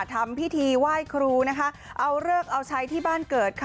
ทำพิธีไหว้ครูนะคะเอาเลิกเอาใช้ที่บ้านเกิดค่ะ